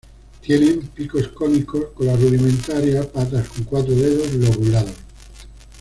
Tienen picos cónicos, cola rudimentaria, patas con cuatro dedos lobulados.